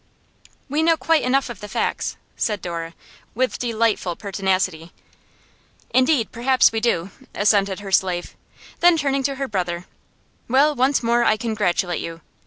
'We know quite enough of the facts,' said Dora, with delightful pertinacity. 'Indeed, perhaps we do,' assented her slave. Then, turning to her brother, 'Well, once more I congratulate you.